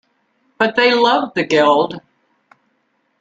But they loved the Guild.